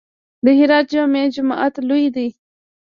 د هرات جامع جومات لوی دی